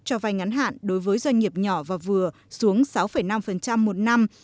cho vay ngắn hạn đối với doanh nghiệp nhỏ và vừa xuống sáu năm một năm